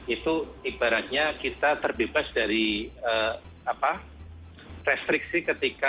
itu ibaratnya kita terbebas dari restriksi ketika